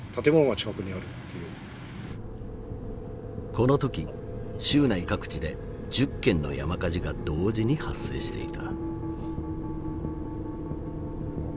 この時州内各地で１０件の山火事が同時に発生していた。